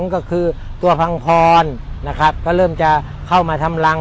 ก็คือตัวพังพรนะครับก็เริ่มจะเข้ามาทำรัง